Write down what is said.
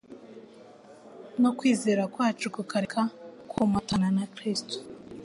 no kwizera kwacu kukareka komotana na Kristo.